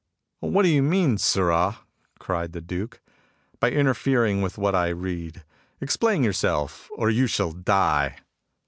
" What do you mean, sirrah !" cried the Duke, " by interfering with what I read ? Ex plain yourself, or you shall die."